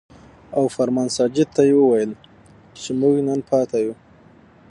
او فرمان ساجد ته يې وويل چې مونږ نن پاتې يو ـ